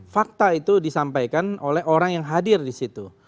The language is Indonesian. fakta itu disampaikan oleh orang yang hadir di situ